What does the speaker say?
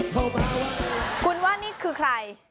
พ่อบอกว่าคุณว่านี่คือใคร